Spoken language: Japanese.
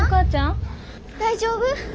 大丈夫？